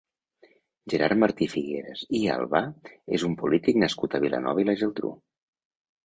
Gerard Martí Figueras i Albà és un polític nascut a Vilanova i la Geltrú.